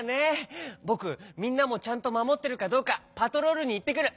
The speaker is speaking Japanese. ぼくみんなもちゃんとまもってるかどうかパトロールにいってくる！